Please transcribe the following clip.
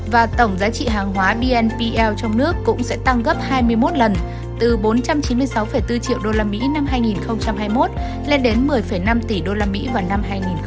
và tổng giá trị hàng hóa bnpl trong nước cũng sẽ tăng gấp hai mươi một lần từ bốn trăm chín mươi sáu bốn triệu usd năm hai nghìn hai mươi một lên đến một mươi năm tỷ usd vào năm hai nghìn hai mươi